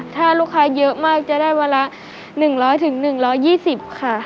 ถ้าลูกค้าเยอะมากจะได้วันละ๑๐๐๑๒๐ค่ะ